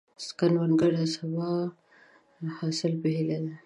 کروندګر د سبا د حاصل په هیله دی